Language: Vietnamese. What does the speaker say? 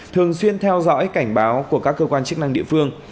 thường xuyên theo dõi cảnh báo của các cơ quan chức năng địa phương